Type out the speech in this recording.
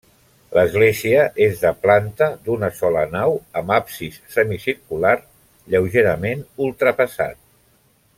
L'església és de planta d'una sola nau amb absis semicircular, lleugerament ultrapassat.